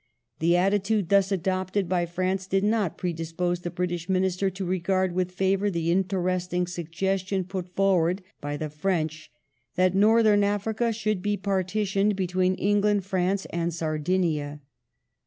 ^ The attitude thus adopted by France did not predispose the British Minister to regard with favour the interesting suggestion put for ward by the French that Northern Africa should be partitioned between England, France, and Sardinia.